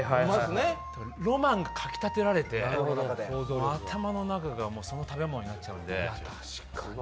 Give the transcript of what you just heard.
だからロマンがかきたてられて頭の中がその食べ物になっちゃうんで。